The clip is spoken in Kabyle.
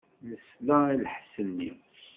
Nesla i lḥess-nni.